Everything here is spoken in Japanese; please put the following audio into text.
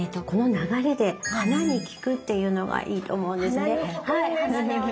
この流れで花に聞くっていうのがいいと思うんですね。